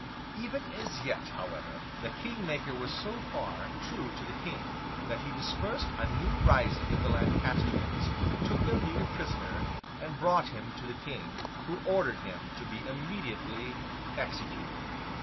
Even as yet, however, the King Maker was so far true to the King, that he dispersed a new rising of the Lancastrians, took their leader prisoner, and brought him to the King, who ordered him to be immediately executed.